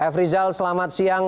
f rizal selamat siang